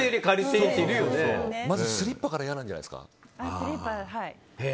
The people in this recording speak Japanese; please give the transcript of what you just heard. まずスリッパから嫌なんじゃないですか。